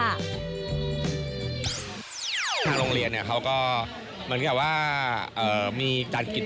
กาโรงเรียนเนี่ยเขาก็เหมือนแก่ว่ามีการกิจ